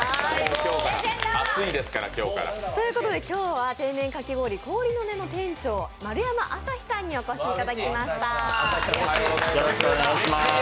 今日は天然かき氷氷の音の店長、丸山諒大さんにお越しいただきました。